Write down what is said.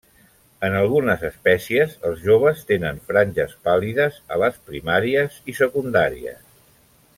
En algunes espècies els joves tenen franges pàl·lides a les primàries i secundàries.